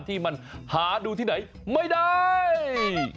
ที่มันหาดูที่ไหนไม่ได้